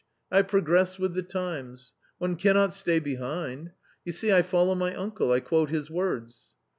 I progress with the times ; one cannot stay behind. You see I follow my uncle, I quote his words."